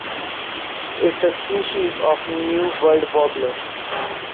It is a species of New World warbler.